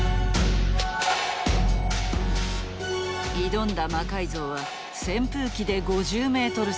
挑んだ魔改造は扇風機で５０メートル走。